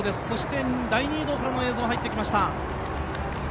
そして、第２移動からの映像が入ってきました。